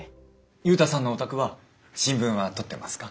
ユウタさんのお宅は新聞は取ってますか？